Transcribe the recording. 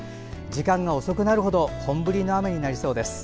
時間が遅くなるほど本降りの雨になりそうです。